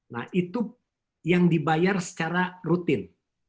nah itu yang dibayar secara rutin